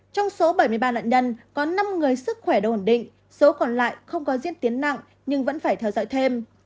trong số bảy mươi ba nạn nhân có năm người sức khỏe đồ ổn định số còn lại không có diễn tiến nặng nhưng vẫn phải theo dõi thêm